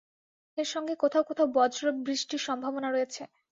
এর সঙ্গে কোথাও কোথাও বজ্রবৃষ্টির সম্ভাবনা রয়েছে।